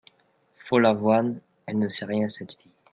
Follavoine Elle ne sait rien cette fille !